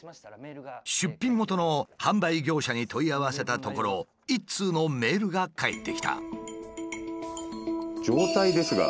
出品元の販売業者に問い合わせたところ一通のメールが返ってきた。